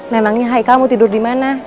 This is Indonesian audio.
memangnya hai kal mau tidur dimana